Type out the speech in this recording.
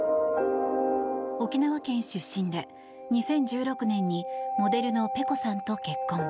沖縄県出身で２０１６年にモデルのｐｅｃｏさんと結婚。